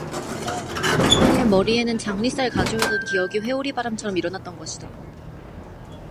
그의 머리에는 장리쌀 가져오던 기억이 회오리바람처럼 일어났던 것이다.